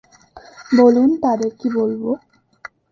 বলুন তাদের কী বলবো?